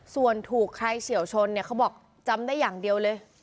ส่วนถูกใครเฉียวชนเนี่ยเขาบอกจำได้อย่างเดียวเลย